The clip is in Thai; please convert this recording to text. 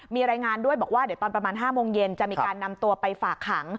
มีรายงานด้วยบอกว่าเดี๋ยวตอนประมาณ๕โมงเย็นจะมีการนำตัวไปฝากขัง